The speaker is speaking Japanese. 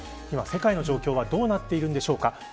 今、世界の状況はどうなっているんでしょうか。